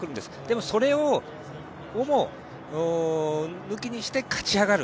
でも、それをも抜きにして勝ち上がる。